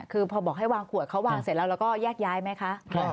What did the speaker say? คือพอบอกให้วางขวดเขาวางเสร็จแล้วเราก็แยกย้ายไหมคะ